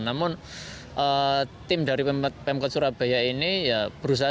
namun tim dari pemkot surabaya ini ya berusaha